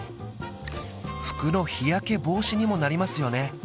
服の日焼け防止にもなりますよね